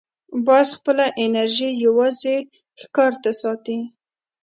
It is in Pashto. باز خپله انرژي یوازې ښکار ته ساتي